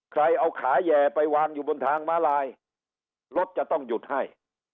ใครเอาขาแหย่ไปวางอยู่บนทางม้าลายรถจะต้องหยุดให้